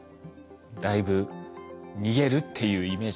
だいぶ逃げるっていうイメージが変わりましたね。